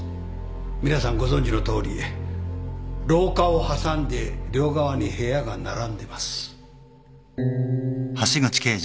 皆さんご存じのとおり廊下を挟んで両側に部屋が並んでます。